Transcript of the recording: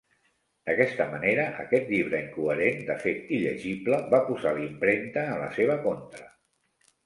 D'aquesta manera, aquest llibre incoherent, de fet il·legible, va posar l'impremta en la seva contra.